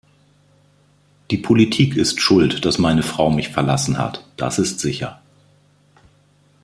Die Politik ist schuld, dass meine Frau mich verlassen hat, das ist sicher.